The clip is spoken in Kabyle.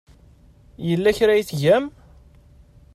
Yella kra ay tgam?